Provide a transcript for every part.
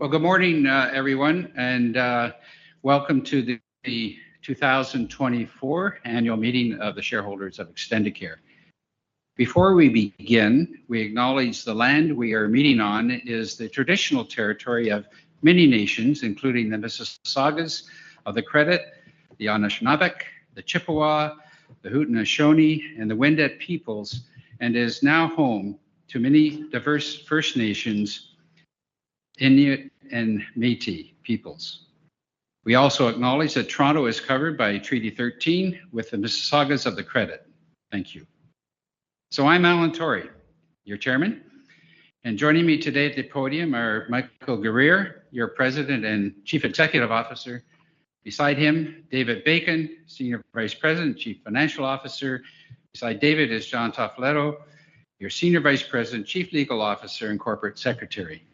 Well, good morning, everyone, and welcome to the 2024 Annual Meeting of the Shareholders of Extendicare. Before we begin, we acknowledge the land we are meeting on is the traditional territory of many nations, including the Mississaugas of the Credit, the Anishinaabe, the Chippewa, the Haudenosaunee, and the Wendat peoples, and is now home to many diverse First Nations, Inuit, and Métis peoples. We also acknowledge that Toronto is covered by Treaty 13 with the Mississaugas of the Credit. Thank you. I'm Alan Torrie, your Chairman, and joining me today at the podium are Michael Guerriere, your President and Chief Executive Officer. Beside him, David Bacon, Senior Vice President and Chief Financial Officer. Beside David is John Toffoletto, your Senior Vice President, Chief Legal Officer, and Corporate Secretary.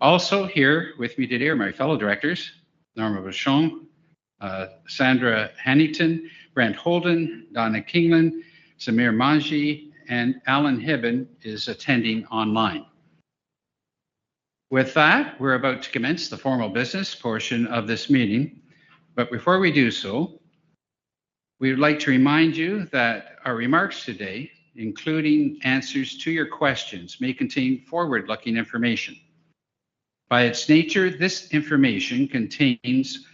Also here with me today are my fellow directors, Norma Beauchamp, Sandra Hanington, Brent Houlden, Donna Kingelin, Samir Manji, and Alan Hibben is attending online. With that, we're about to commence the formal business portion of this meeting. But before we do so, we would like to remind you that our remarks today, including answers to your questions, may contain forward-looking information. By its nature, this information contains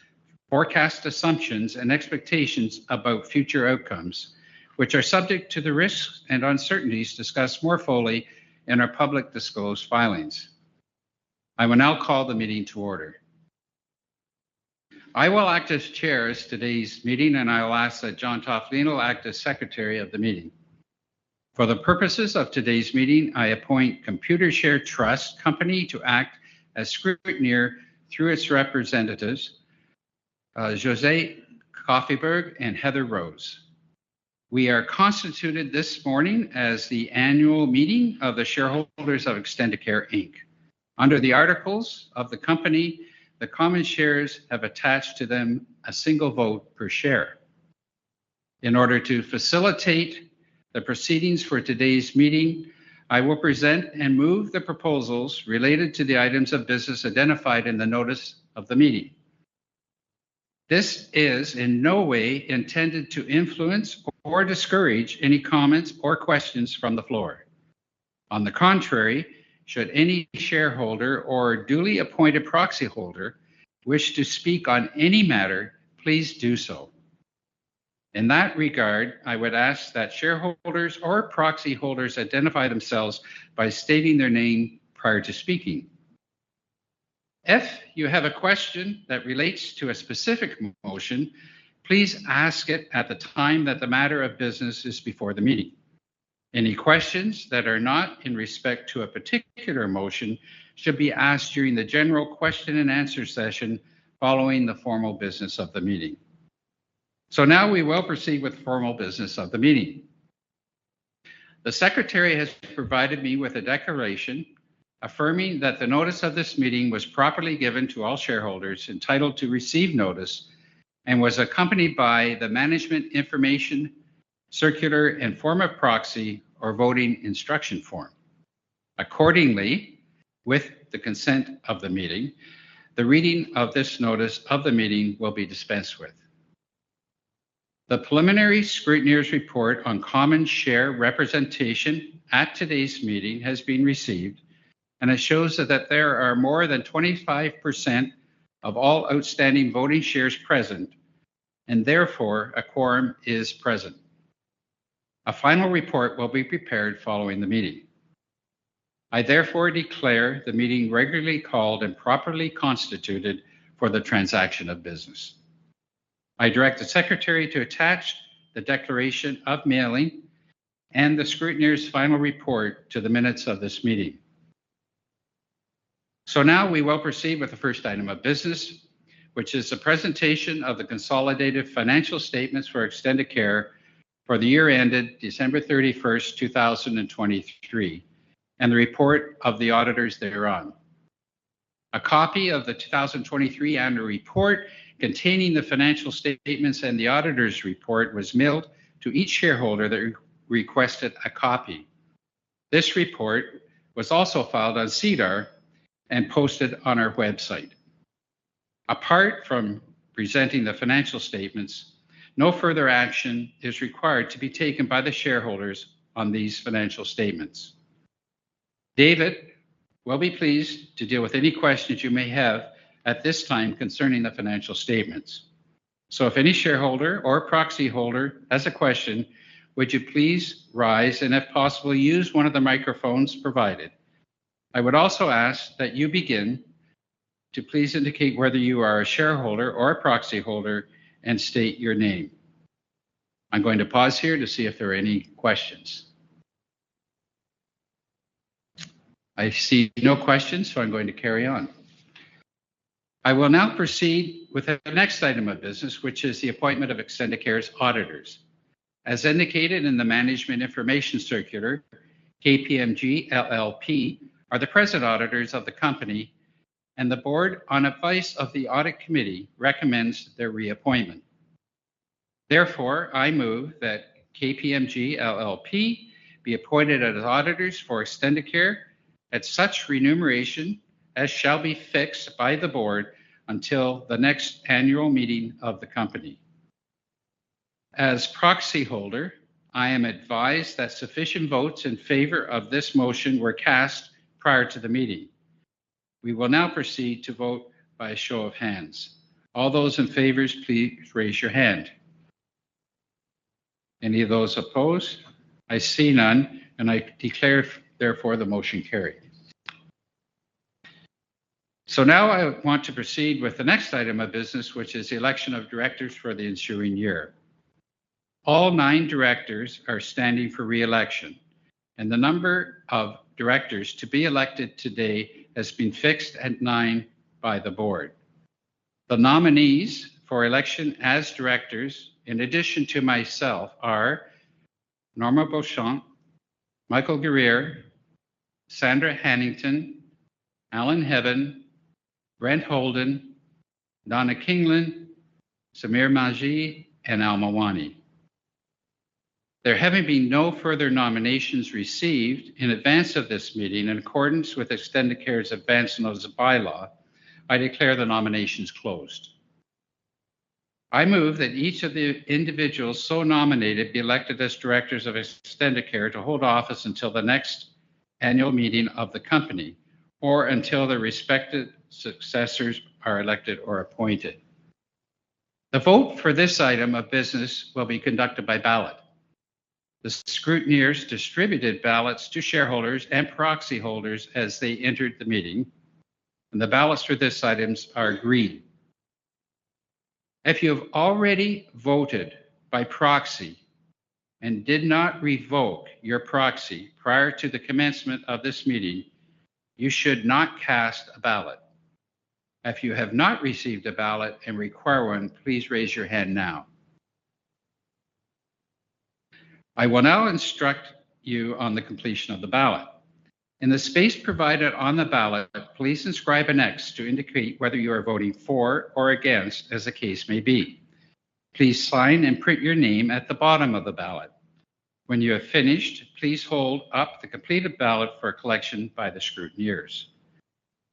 forecast assumptions and expectations about future outcomes, which are subject to the risks and uncertainties discussed more fully in our public disclosed filings. I will now call the meeting to order. I will act as chair as today's meeting, and I will ask that John Toffoletto act as secretary of the meeting. For the purposes of today's meeting, I appoint Computershare Trust Company to act as scrutineer through its representatives, Josée Kaufenberg and Heather Rose. We are constituted this morning as the annual meeting of the shareholders of Extendicare Inc. Under the articles of the company, the common shares have attached to them a single vote per share. In order to facilitate the proceedings for today's meeting, I will present and move the proposals related to the items of business identified in the notice of the meeting. This is in no way intended to influence or discourage any comments or questions from the floor. On the contrary, should any shareholder or duly appointed proxy holder wish to speak on any matter, please do so. In that regard, I would ask that shareholders or proxy holders identify themselves by stating their name prior to speaking. If you have a question that relates to a specific motion, please ask it at the time that the matter of business is before the meeting. Any questions that are not in respect to a particular motion should be asked during the general question and answer session following the formal business of the meeting. So now we will proceed with the formal business of the meeting. The secretary has provided me with a declaration affirming that the notice of this meeting was properly given to all shareholders entitled to receive notice and was accompanied by the Management Information Circular and form of proxy, or voting instruction form. Accordingly, with the consent of the meeting, the reading of this notice of the meeting will be dispensed with. The preliminary scrutineer's report on common share representation at today's meeting has been received, and it shows that there are more than 25% of all outstanding voting shares present, and therefore a quorum is present. A final report will be prepared following the meeting. I therefore declare the meeting regularly called and properly constituted for the transaction of business. I direct the secretary to attach the declaration of mailing and the scrutineer's final report to the minutes of this meeting. So now we will proceed with the first item of business, which is the presentation of the consolidated financial statements for Extendicare for the year ended December 31st, 2023, and the report of the auditors thereon. A copy of the 2023 annual report containing the financial statements and the auditor's report was mailed to each shareholder that requested a copy. This report was also filed on SEDAR and posted on our website. Apart from presenting the financial statements, no further action is required to be taken by the shareholders on these financial statements. David will be pleased to deal with any questions you may have at this time concerning the financial statements. So if any shareholder or proxy holder has a question, would you please rise, and if possible, use one of the microphones provided. I would also ask that you begin to please indicate whether you are a shareholder or a proxy holder and state your name. I'm going to pause here to see if there are any questions. I see no questions, so I'm going to carry on. I will now proceed with the next item of business, which is the appointment of Extendicare's auditors. As indicated in the Management Information Circular, KPMG LLP are the present auditors of the company, and the board, on advice of the Audit Committee, recommends their reappointment. Therefore, I move that KPMG LLP be appointed as auditors for Extendicare at such remuneration as shall be fixed by the board until the next annual meeting of the company. As proxy holder, I am advised that sufficient votes in favor of this motion were cast prior to the meeting. We will now proceed to vote by a show of hands. All those in favors, please raise your hand. Any of those opposed? I see none, and I declare therefore, the motion carried. So now I want to proceed with the next item of business, which is the election of directors for the ensuing year. All nine directors are standing for re-election, and the number of directors to be elected today has been fixed at nine by the board. The nominees for election as directors, in addition to myself, are Norma Beauchamp, Michael Guerriere, Sandra Hanington, Alan Hibben, Brent Houlden, Donna Kingelin, Samir Manji, and Al Mawani. There having been no further nominations received in advance of this meeting, in accordance with Extendicare's advance notice bylaw, I declare the nominations closed. I move that each of the individuals so nominated be elected as directors of Extendicare to hold office until the next annual meeting of the company or until their respective successors are elected or appointed. The vote for this item of business will be conducted by ballot. The scrutineers distributed ballots to shareholders and proxy holders as they entered the meeting, and the ballots for this item are green. If you have already voted by proxy and did not revoke your proxy prior to the commencement of this meeting, you should not cast a ballot. If you have not received a ballot and require one, please raise your hand now. I will now instruct you on the completion of the ballot. In the space provided on the ballot, please inscribe an X to indicate whether you are voting for or against, as the case may be. Please sign and print your name at the bottom of the ballot. When you have finished, please hold up the completed ballot for collection by the scrutineers.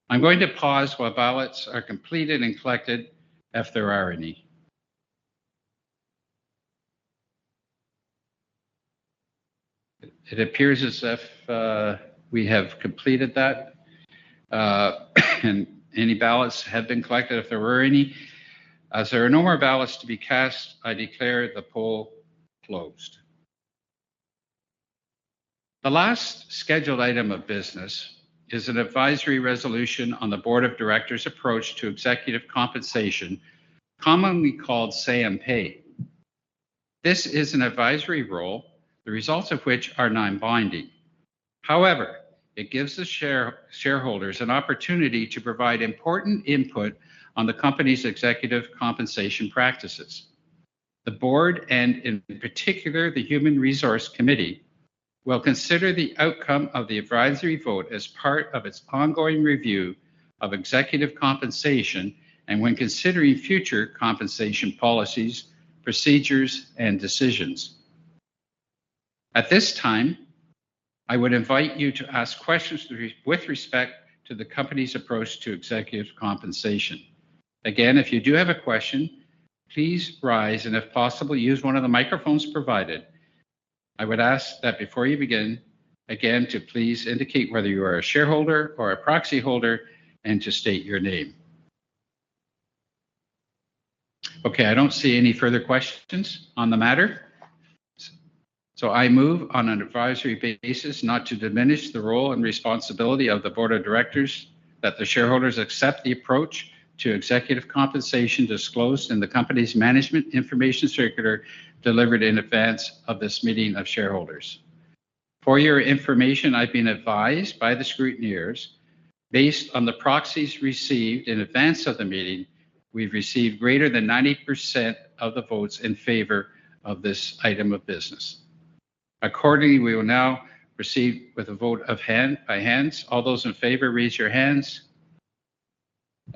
I'm going to pause while ballots are completed and collected, if there are any. It appears as if we have completed that, and any ballots have been collected, if there were any. As there are no more ballots to be cast, I declare the poll closed. The last scheduled item of business is an advisory resolution on the board of directors' approach to executive compensation, commonly called Say on Pay. This is an advisory role, the results of which are non-binding. However, it gives the shareholders an opportunity to provide important input on the company's executive compensation practices. The board, and in particular, the Human Resource Committee, will consider the outcome of the advisory vote as part of its ongoing review of executive compensation and when considering future compensation policies, procedures, and decisions. At this time, I would invite you to ask questions with respect to the company's approach to executive compensation. Again, if you do have a question, please rise, and if possible, use one of the microphones provided. I would ask that before you begin, again, to please indicate whether you are a shareholder or a proxy holder and to state your name. Okay, I don't see any further questions on the matter. So I move on an advisory basis, not to diminish the role and responsibility of the board of directors, that the shareholders accept the approach to executive compensation disclosed in the company's Management Information Circular, delivered in advance of this meeting of shareholders. For your information, I've been advised by the scrutineers, based on the proxies received in advance of the meeting, we've received greater than 90% of the votes in favor of this item of business. Accordingly, we will now proceed with a vote of hand-by hands. All those in favor, raise your hands.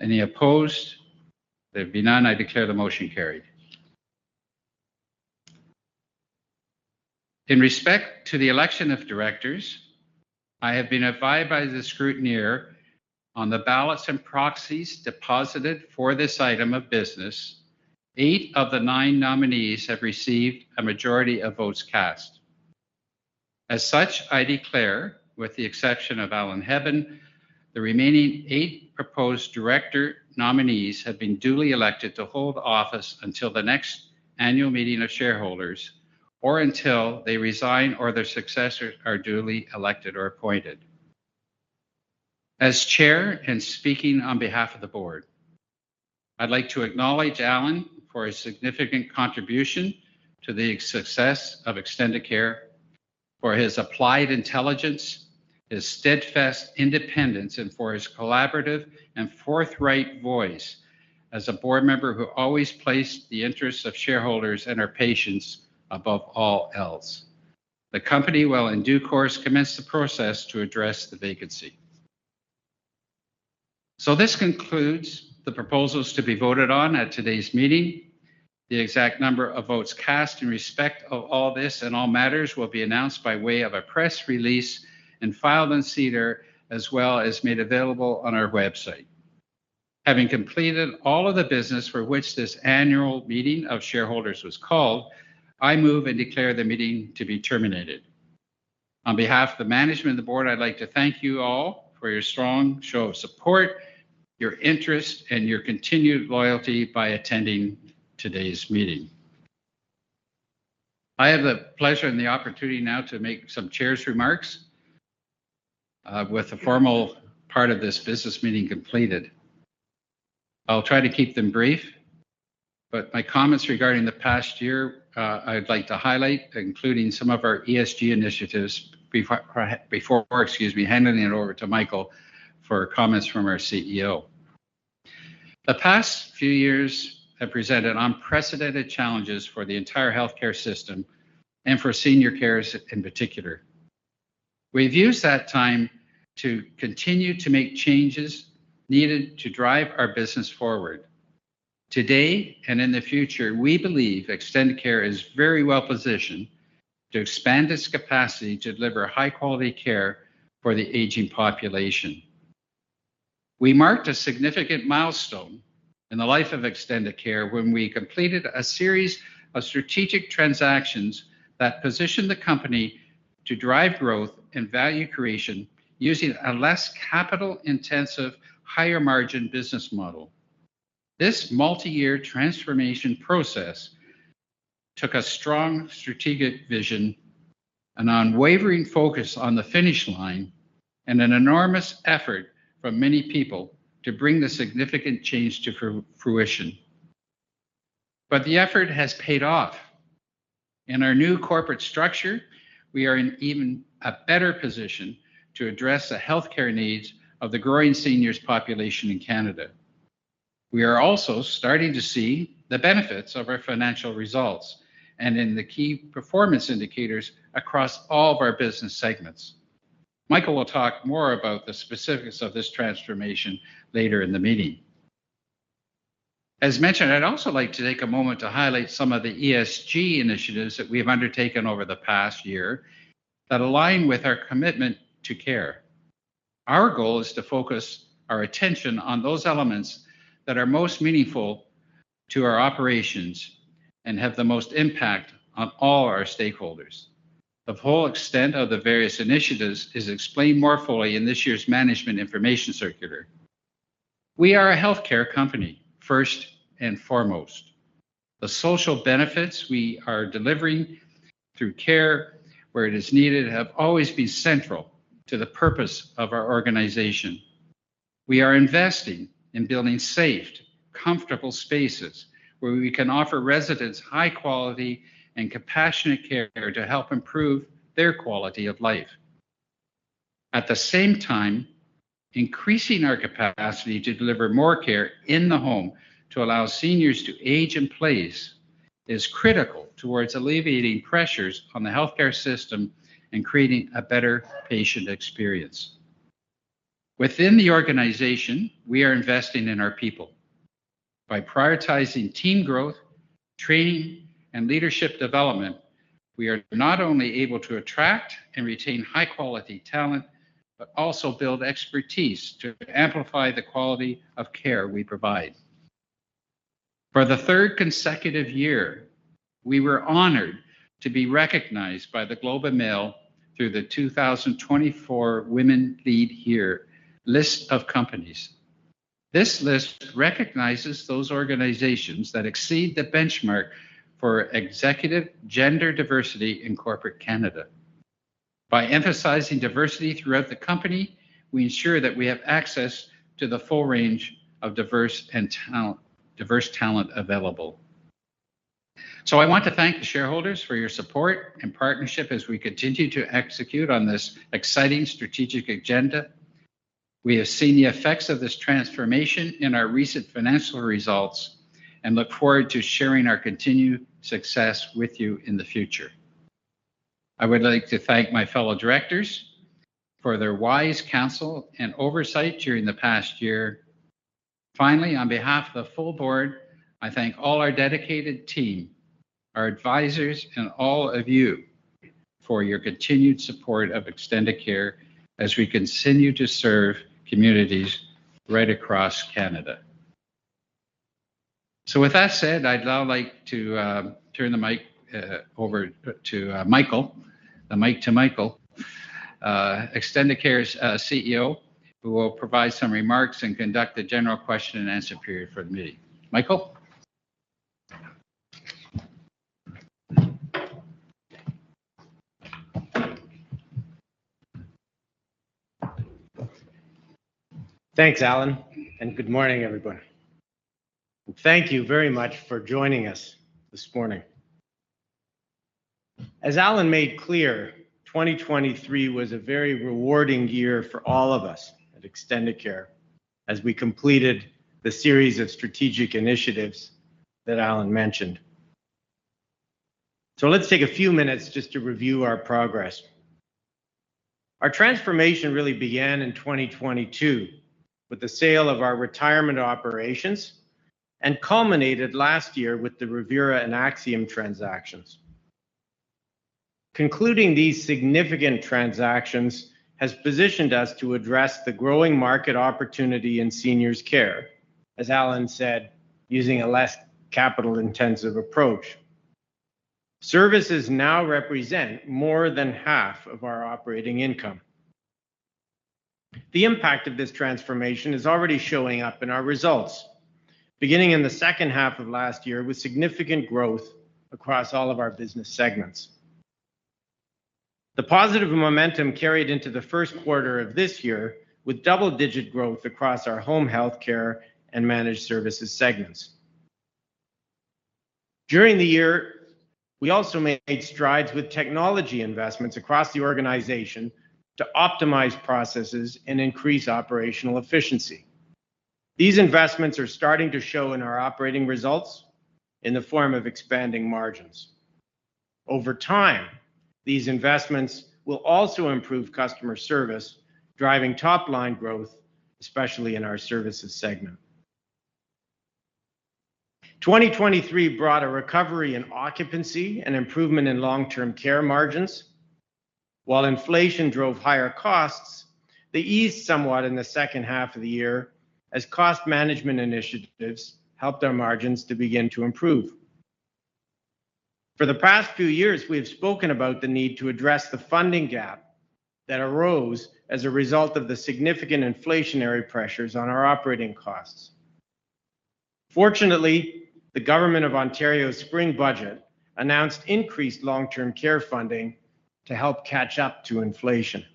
Any opposed? There be none. I declare the motion carried. In respect to the election of directors, I have been advised by the scrutineer on the ballots and proxies deposited for this item of business, eight of the nine nominees have received a majority of votes cast. As such, I declare, with the exception of Alan Hibben, the remaining eight proposed director nominees have been duly elected to hold office until the next annual meeting of shareholders or until they resign or their successors are duly elected or appointed. As Chair and speaking on behalf of the board, I'd like to acknowledge Alan for his significant contribution to the success of Extendicare, for his applied intelligence, his steadfast independence, and for his collaborative and forthright voice as a board member who always placed the interests of shareholders and our patients above all else. The company will, in due course, commence the process to address the vacancy. This concludes the proposals to be voted on at today's meeting. The exact number of votes cast in respect of all this and all matters will be announced by way of a press release and filed in SEDAR, as well as made available on our website. Having completed all of the business for which this annual meeting of shareholders was called, I move and declare the meeting to be terminated. On behalf of the management and the board, I'd like to thank you all for your strong show of support, your interest, and your continued loyalty by attending today's meeting. I have the pleasure and the opportunity now to make some chair's remarks, with the formal part of this business meeting completed. I'll try to keep them brief, but my comments regarding the past year, I'd like to highlight, including some of our ESG initiatives before, excuse me, handing it over to Michael for comments from our CEO. The past few years have presented unprecedented challenges for the entire healthcare system and for senior care in particular. We've used that time to continue to make changes needed to drive our business forward. Today and in the future, we believe Extendicare is very well positioned to expand its capacity to deliver high-quality care for the aging population. We marked a significant milestone in the life of Extendicare when we completed a series of strategic transactions that positioned the company to drive growth and value creation using a less capital-intensive, higher-margin business model. This multi-year transformation process took a strong strategic vision, an unwavering focus on the finish line, and an enormous effort from many people to bring the significant change to fruition. But the effort has paid off. In our new corporate structure, we are in even a better position to address the healthcare needs of the growing seniors population in Canada. We are also starting to see the benefits of our financial results and in the key performance indicators across all of our business segments. Michael will talk more about the specifics of this transformation later in the meeting. As mentioned, I'd also like to take a moment to highlight some of the ESG initiatives that we have undertaken over the past year that align with our commitment to care. Our goal is to focus our attention on those elements that are most meaningful to our operations and have the most impact on all our stakeholders. The full extent of the various initiatives is explained more fully in this year's Management Information Circular. We are a healthcare company, first and foremost. The social benefits we are delivering through care where it is needed have always been central to the purpose of our organization. We are investing in building safe, comfortable spaces where we can offer residents high quality and compassionate care to help improve their quality of life. At the same time, increasing our capacity to deliver more care in the home to allow seniors to age in place is critical towards alleviating pressures on the healthcare system and creating a better patient experience. Within the organization, we are investing in our people. By prioritizing team growth, training, and leadership development, we are not only able to attract and retain high-quality talent, but also build expertise to amplify the quality of care we provide. For the third consecutive year, we were honored to be recognized by The Globe and Mail through the 2024 Women Lead Here list of companies. This list recognizes those organizations that exceed the benchmark for executive gender diversity in corporate Canada. By emphasizing diversity throughout the company, we ensure that we have access to the full range of diverse and talent- diverse talent available. So I want to thank the shareholders for your support and partnership as we continue to execute on this exciting strategic agenda. We have seen the effects of this transformation in our recent financial results and look forward to sharing our continued success with you in the future. I would like to thank my fellow directors for their wise counsel and oversight during the past year. Finally, on behalf of the full board, I thank all our dedicated team, our advisors, and all of you for your continued support of Extendicare as we continue to serve communities right across Canada. With that said, I'd now like to turn the mic over to Michael, the mic to Michael, Extendicare's CEO, who will provide some remarks and conduct a general question and answer period for the meeting. Michael? Thanks, Alan, and good morning, everybody. Thank you very much for joining us this morning. As Alan made clear, 2023 was a very rewarding year for all of us at Extendicare as we completed the series of strategic initiatives that Alan mentioned.... So let's take a few minutes just to review our progress. Our transformation really began in 2022, with the sale of our retirement operations, and culminated last year with the Revera and Axiom transactions. Concluding these significant transactions has positioned us to address the growing market opportunity in seniors care, as Alan said, using a less capital-intensive approach. Services now represent more than half of our operating income. The impact of this transformation is already showing up in our results, beginning in the second half of last year, with significant growth across all of our business segments. The positive momentum carried into the first quarter of this year, with double-digit growth across our home health care and managed services segments. During the year, we also made strides with technology investments across the organization to optimize processes and increase operational efficiency. These investments are starting to show in our operating results in the form of expanding margins. Over time, these investments will also improve customer service, driving top-line growth, especially in our services segment. 2023 brought a recovery in occupancy and improvement in long-term care margins. While inflation drove higher costs, they eased somewhat in the second half of the year as cost management initiatives helped our margins to begin to improve. For the past few years, we have spoken about the need to address the funding gap that arose as a result of the significant inflationary pressures on our operating costs. Fortunately, the Government of Ontario's spring budget announced increased long-term care funding to help catch up to inflation.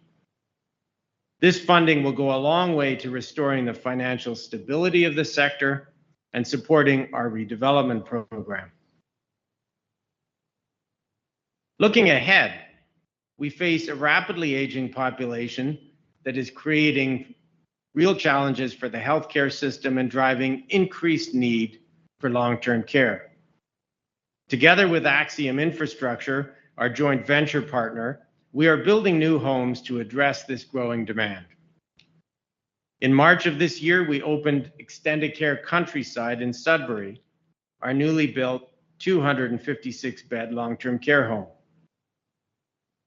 This funding will go a long way to restoring the financial stability of the sector and supporting our redevelopment program. Looking ahead, we face a rapidly aging population that is creating real challenges for the healthcare system and driving increased need for long-term care. Together with Axiom Infrastructure, our joint venture partner, we are building new homes to address this growing demand. In March of this year, we opened Extendicare Countryside in Sudbury, our newly built 256-bed long-term care home.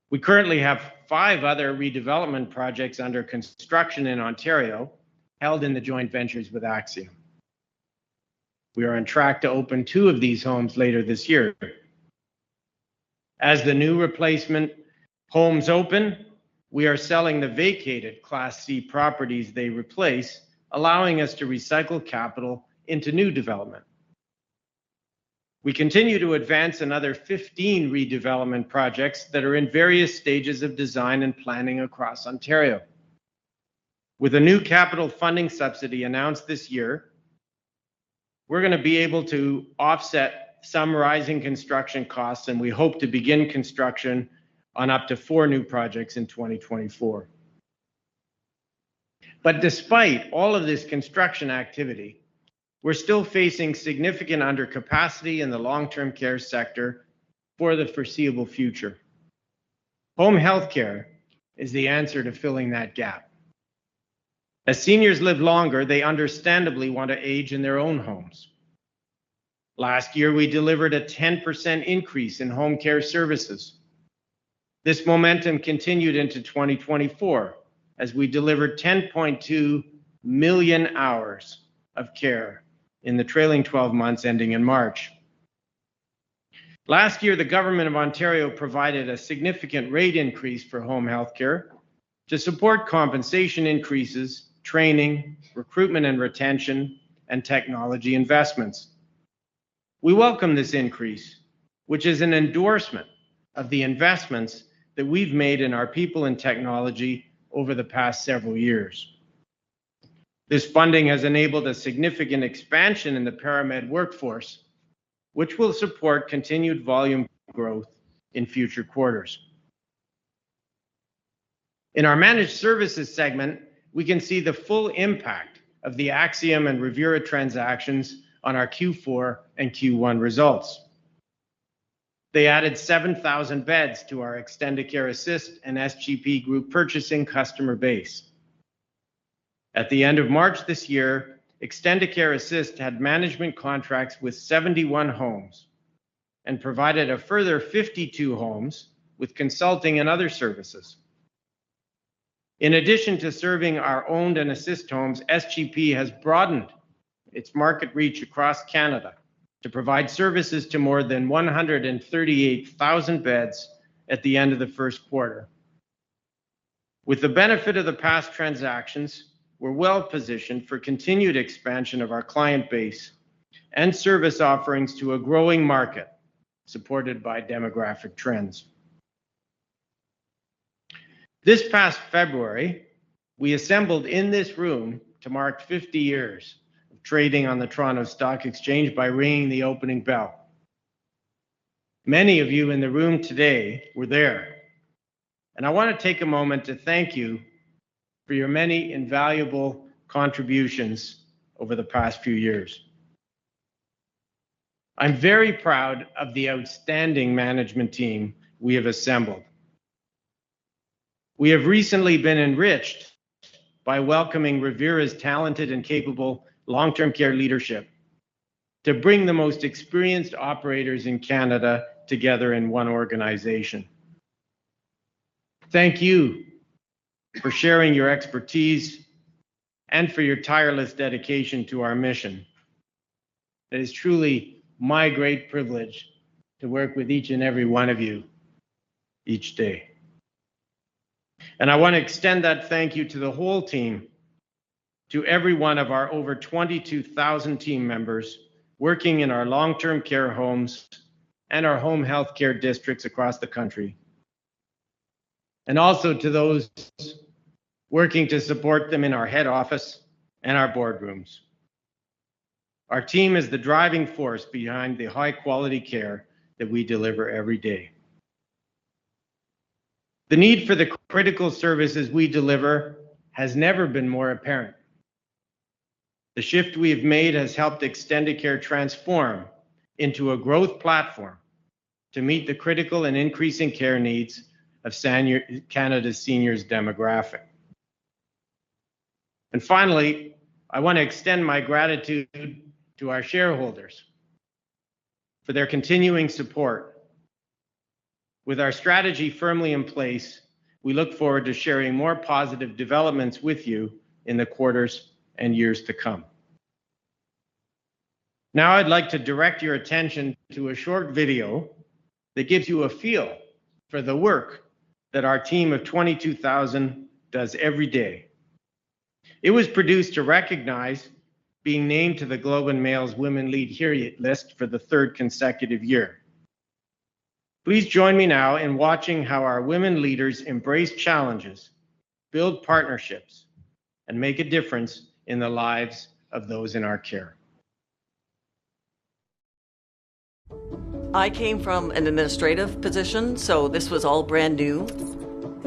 We currently have five other redevelopment projects under construction in Ontario, held in the joint ventures with Axiom. We are on track to open two of these homes later this year. As the new replacement homes open, we are selling the vacated Class C properties they replace, allowing us to recycle capital into new development. We continue to advance another 15 redevelopment projects that are in various stages of design and planning across Ontario. With the new capital funding subsidy announced this year, we're going to be able to offset some rising construction costs, and we hope to begin construction on up to 4 new projects in 2024. But despite all of this construction activity, we're still facing significant undercapacity in the long-term care sector for the foreseeable future. Home health care is the answer to filling that gap. As seniors live longer, they understandably want to age in their own homes. Last year, we delivered a 10% increase in home care services. This momentum continued into 2024, as we delivered 10.2 million hours of care in the trailing twelve months, ending in March. Last year, the Government of Ontario provided a significant rate increase for home health care to support compensation increases, training, recruitment and retention, and technology investments. We welcome this increase, which is an endorsement of the investments that we've made in our people and technology over the past several years. This funding has enabled a significant expansion in the ParaMed workforce, which will support continued volume growth in future quarters. In our managed services segment, we can see the full impact of the Axiom and Revera transactions on our Q4 and Q1 results. They added 7,000 beds to our Extendicare Assist and SGP group purchasing customer base. At the end of March this year, Extendicare Assist had management contracts with 71 homes and provided a further 52 homes with consulting and other services. In addition to serving our owned and assist homes, SGP has broadened its market reach across Canada to provide services to more than 138,000 beds at the end of the first quarter. With the benefit of the past transactions, we're well positioned for continued expansion of our client base and service offerings to a growing market, supported by demographic trends. This past February, we assembled in this room to mark 50 years of trading on the Toronto Stock Exchange by ringing the opening bell. Many of you in the room today were there.... And I want to take a moment to thank you for your many invaluable contributions over the past few years. I'm very proud of the outstanding management team we have assembled. We have recently been enriched by welcoming Revera's talented and capable long-term care leadership to bring the most experienced operators in Canada together in one organization. Thank you for sharing your expertise and for your tireless dedication to our mission. It is truly my great privilege to work with each and every one of you each day. I want to extend that thank you to the whole team, to every one of our over 22,000 team members working in our long-term care homes and our home health care districts across the country, and also to those working to support them in our head office and our boardrooms. Our team is the driving force behind the high-quality care that we deliver every day. The need for the critical services we deliver has never been more apparent. The shift we have made has helped Extendicare transform into a growth platform to meet the critical and increasing care needs of seniors, Canada's seniors demographic. Finally, I want to extend my gratitude to our shareholders for their continuing support. With our strategy firmly in place, we look forward to sharing more positive developments with you in the quarters and years to come. Now, I'd like to direct your attention to a short video that gives you a feel for the work that our team of 22,000 does every day. It was produced to recognize being named to The Globe and Mail's Women Lead Here list for the third consecutive year. Please join me now in watching how our women leaders embrace challenges, build partnerships, and make a difference in the lives of those in our care. I came from an administrative position, so this was all brand new.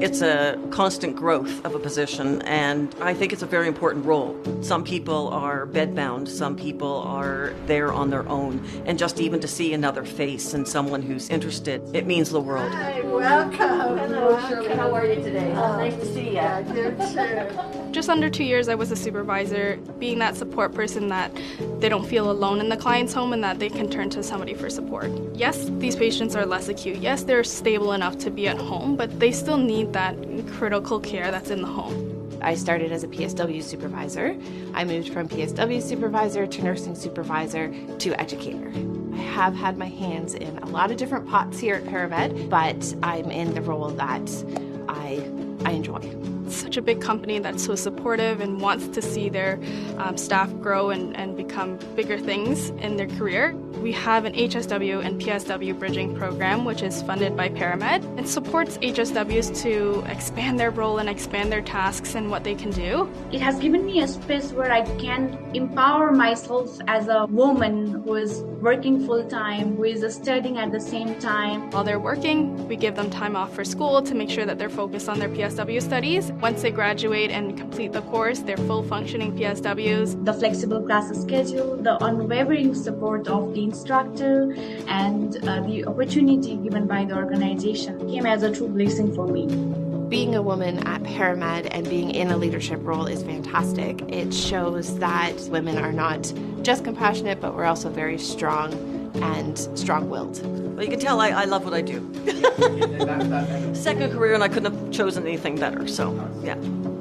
It's a constant growth of a position, and I think it's a very important role. Some people are bed-bound, some people are there on their own, and just even to see another face and someone who's interested, it means the world. Hi, welcome. Hello, Shirley. How are you today? Oh, nice to see you. Yeah, you too. Just under two years, I was a supervisor. Being that support person, that they don't feel alone in the client's home, and that they can turn to somebody for support. Yes, these patients are less acute. Yes, they're stable enough to be at home, but they still need that critical care that's in the home. I started as a PSW supervisor. I moved from PSW supervisor to nursing supervisor to educator. I have had my hands in a lot of different pots here at ParaMed, but I'm in the role that I, I enjoy. Such a big company that's so supportive and wants to see their staff grow and become bigger things in their career. We have an HSW and PSW bridging program, which is funded by ParaMed. It supports HSWs to expand their role and expand their tasks and what they can do. It has given me a space where I can empower myself as a woman who is working full-time, who is studying at the same time. While they're working, we give them time off for school to make sure that they're focused on their PSW studies. Once they graduate and complete the course, they're full functioning PSWs. The flexible class schedule, the unwavering support of the instructor, and the opportunity given by the organization came as a true blessing for me. Being a woman at ParaMed and being in a leadership role is fantastic. It shows that women are not just compassionate, but we're also very strong and strong-willed. Well, you can tell I love what I do. Yeah, that Second career, and I couldn't have chosen anything better, so- Nice. Yeah. Yeah.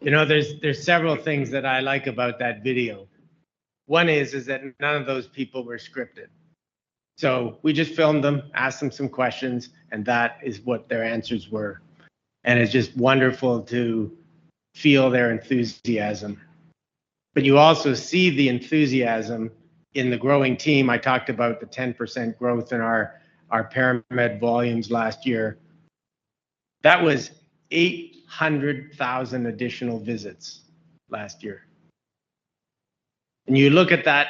You know, there's several things that I like about that video. One is that none of those people were scripted. So we just filmed them, asked them some questions, and that is what their answers were. And it's just wonderful to feel their enthusiasm. But you also see the enthusiasm in the growing team. I talked about the 10% growth in our ParaMed volumes last year. That was 800,000 additional visits last year. And you look at that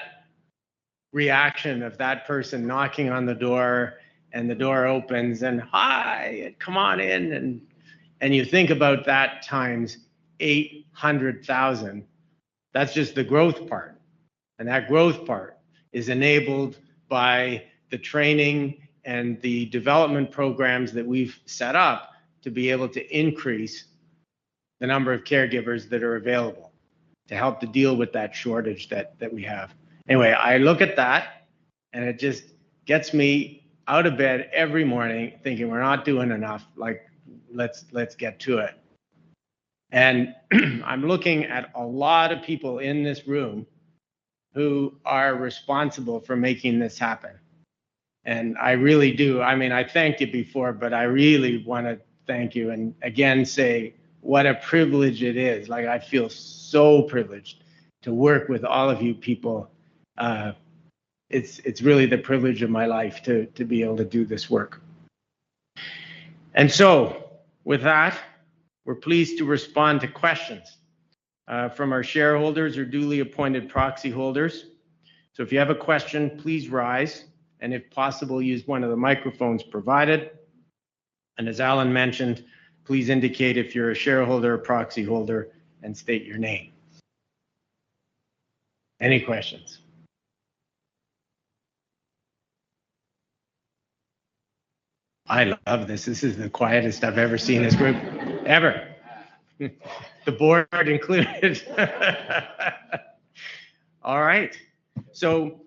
reaction of that person knocking on the door, and the door opens, and, "Hi, come on in!" And you think about that times 800,000. That's just the growth part, and that growth part is enabled by the training and the development programs that we've set up to be able to increase the number of caregivers that are available to help to deal with that shortage that we have. Anyway, I look at that, and it just gets me out of bed every morning thinking we're not doing enough, like, let's get to it. And I'm looking at a lot of people in this room who are responsible for making this happen. And I really do—I mean, I thanked you before, but I really want to thank you, and again, say what a privilege it is. Like, I feel so privileged to work with all of you people. It's really the privilege of my life to be able to do this work. And so with that, we're pleased to respond to questions from our shareholders or duly appointed proxy holders. So if you have a question, please rise, and if possible, use one of the microphones provided. And as Alan mentioned, please indicate if you're a shareholder or proxy holder and state your name. Any questions? I love this. This is the quietest I've ever seen this group. Ever! The board included. All right. So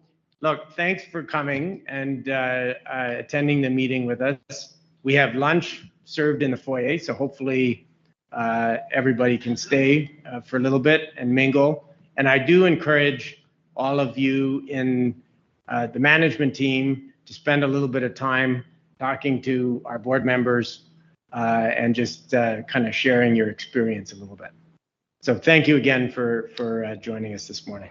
look, thanks for coming and attending the meeting with us. We have lunch served in the foyer, so hopefully, everybody can stay for a little bit and mingle. And I do encourage all of you in the management team to spend a little bit of time talking to our board members and just kind of sharing your experience a little bit. So thank you again for joining us this morning.